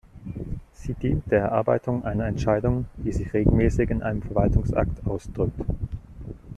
Sie dient der Erarbeitung einer Entscheidung, die sich regelmäßig in einem Verwaltungsakt ausdrückt.